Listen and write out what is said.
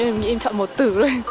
em nghĩ em chọn một từ